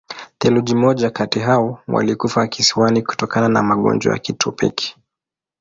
Theluji moja kati hao walikufa kisiwani kutokana na magonjwa ya kitropiki.